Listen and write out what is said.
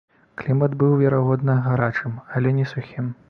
Клімат быў, верагодна, гарачым, але не сухім.